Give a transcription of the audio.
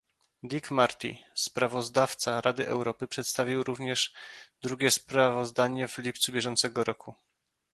Dick Marty, sprawozdawca Rady Europy przedstawił również drugie sprawozdanie w lipcu br